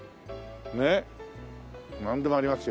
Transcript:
なんでもありますよ。